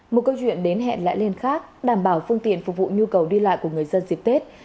một câu chuyện đến hẹn lại lên khác đảm bảo phương tiện phục vụ nhu cầu đi lại của người dân dịp tết